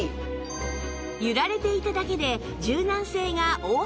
揺られていただけで柔軟性が大幅アップ